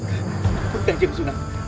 ampun kanjeng sunan